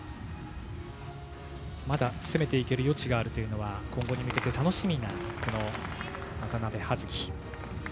まだ、攻めていける余地があるというのは今後に向けて楽しみな渡部葉月。